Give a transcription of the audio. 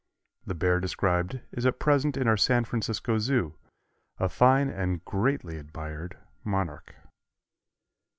The bear described is at present in our San Francisco Zoo, a fine and greatly admired monarch.